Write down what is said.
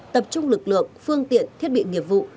tập trung lực lượng phương tiện thiết bị nghiệp vụ